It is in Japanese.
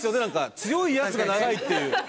強いヤツが長いっていう。